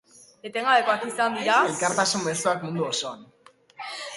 Etengabekoak izan dira elkartasun mezuak mundu osoan.